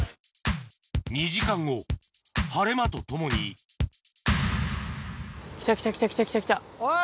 ２時間後晴れ間とともにおい！